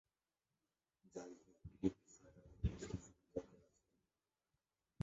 যাইহোক, এই বিষয়টা নিয়ে বেশ কিছু বিতর্ক আছে।